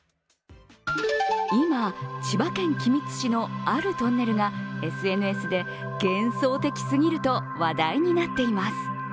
今、千葉県君津市のあるトンネルがＳＮＳで幻想的すぎると話題になっています。